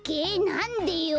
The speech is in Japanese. なんでよ！？